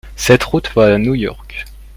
Cette route va à New York ?